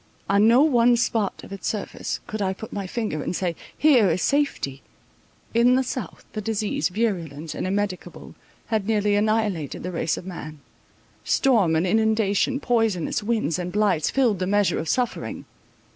On no one spot of its surface could I put my finger and say, here is safety. In the south, the disease, virulent and immedicable, had nearly annihilated the race of man; storm and inundation, poisonous winds and blights, filled up the measure of suffering.